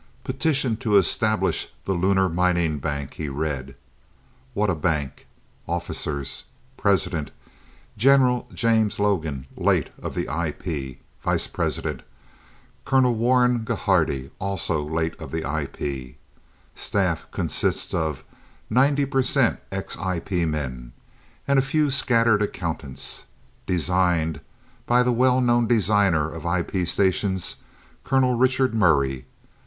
"'Petition to establish the Lunar Mining Bank,'" he read. "What a bank! Officers: President, General James Logan, late of the IP; Vice president, Colonel Warren Gerardhi, also late of the IP; Staff, consists of 90% ex IP men, and a few scattered accountants. Designed by the well known designer of IP stations, Colonel Richard Murray."